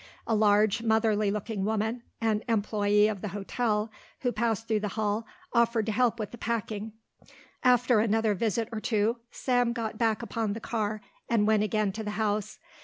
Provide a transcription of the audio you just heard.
A large, motherly looking woman, an employé of the hotel, who passed through the hall, offered to help with the packing. After another visit or two Sam got back upon the car and went again to the house.